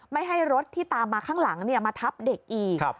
ไม่ให้รถที่ตามมาข้างหลังมาทับเด็กอีก